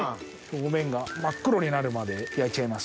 表面が真っ黒になるまで焼いちゃいます。